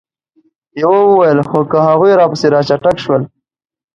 يوه وويل: خو که هغوی راپسې را چټک شول؟